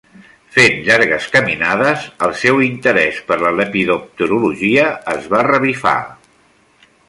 Fent llargues caminades el seu interès per la lepidopterologia es va revifar.